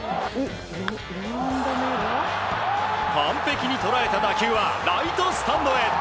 完璧に捉えた打球はライトスタンドへ。